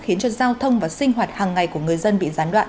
khiến cho giao thông và sinh hoạt hàng ngày của người dân bị gián đoạn